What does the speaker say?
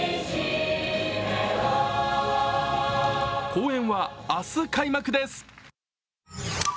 公演は明日開幕です。